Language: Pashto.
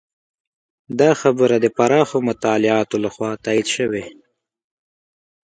دا خبره د پراخو مطالعاتو لخوا تایید شوې.